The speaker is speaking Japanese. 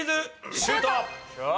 シュート！